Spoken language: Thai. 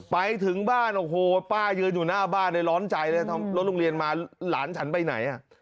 ไปถึงบ้านโอ้โหป้ายืนอยู่หน้าบ้านเลยร้อนใจเลยรถโรงเรียนมาหลานฉันไปไหน